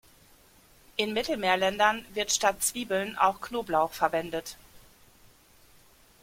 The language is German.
In Mittelmeerländern wird statt Zwiebeln auch Knoblauch verwendet.